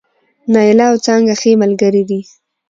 نايله او څانګه ښې ملګرې دي